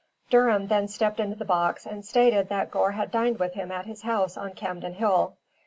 Durham then stepped into the box and stated that Gore had dined with him at his house on Camden Hill.